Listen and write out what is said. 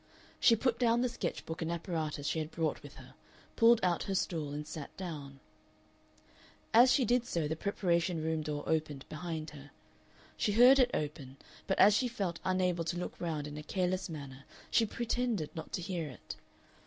She put down the sketch books and apparatus she had brought with her, pulled out her stool, and sat down. As she did so the preparation room door opened behind her. She heard it open, but as she felt unable to look round in a careless manner she pretended not to hear it.